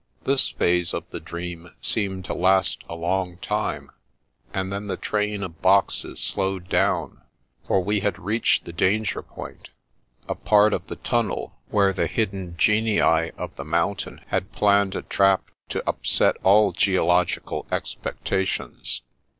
This phase of the dream seemed to last a long time ; and then the train of boxes slowed down, for we had reached the dan ger point, a part of the tunnel where the hidden Genii of the Mountain had planned a trap to upset all geological expectations.